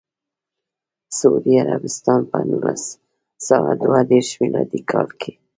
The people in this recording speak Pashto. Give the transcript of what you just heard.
سعودي عربستان په نولس سوه دوه دیرش میلادي کال کې.